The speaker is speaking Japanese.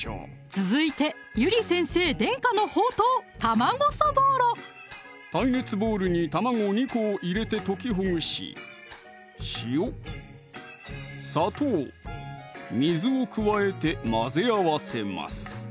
続いてゆり先生伝家の宝刀・卵そぼろ耐熱ボウルに卵２個を入れて溶きほぐし塩・砂糖・水を加えて混ぜ合わせます